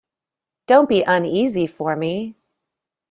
Don't be uneasy for me!